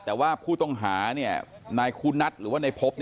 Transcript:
แต่ว่าผู้ต้องหานายคูนัทหรือว่าในพบ